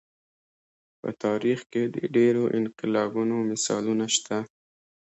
په تاریخ کې د ډېرو انقلابونو مثالونه شته.